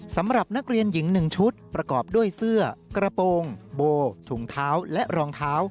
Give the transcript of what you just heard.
สำหรับนักเรียนหญิง๑ชุดประกอบด้วยเสื้อกระโปรงโบถุงเท้าและรองเท้า